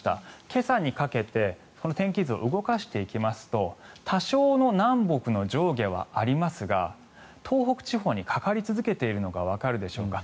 今朝にかけて天気図を動かしていきますと多少の南北の上下はありますが東北地方にかかり続けているのがわかるでしょうか。